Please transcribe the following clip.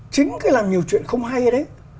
chính cái làm nhiều chuyện không hay đấy